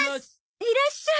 いらっしゃい。